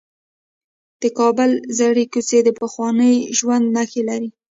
د کابل زړې کوڅې د پخواني ژوند نښې لري.